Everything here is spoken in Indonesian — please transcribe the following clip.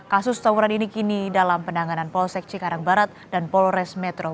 kasus tawuran ini kini dalam penanganan polsek cikarang barat dan polres metro